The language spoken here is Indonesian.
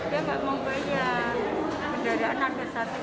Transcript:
dikasih nafas punya utang dibalut